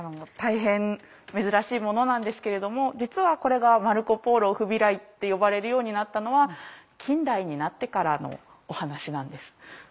大変珍しいものなんですけれども実はこれがマルコ・ポーロフビライって呼ばれるようになったのは近代になってからのお話なんです。